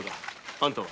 あんたは？